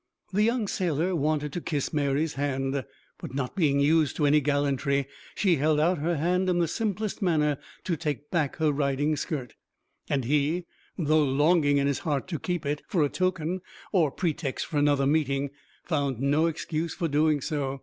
The young sailor wanted to kiss Mary's hand; but not being used to any gallantry, she held out her hand in the simplest manner to take back her riding skirt; and he, though longing in his heart to keep it, for a token or pretext for another meeting, found no excuse for doing so.